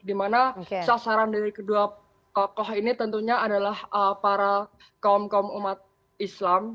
dimana sasaran dari kedua tokoh ini tentunya adalah para kaum kaum umat islam